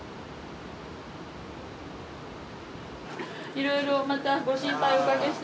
いろいろまたご心配おかけして。